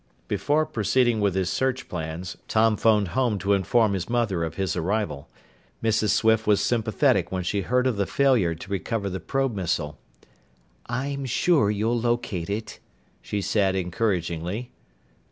Before proceeding with his search plans, Tom phoned home to inform his mother of his arrival. Mrs. Swift was sympathetic when she heard of the failure to recover the probe missile. "I'm sure you'll locate it," she said encouragingly.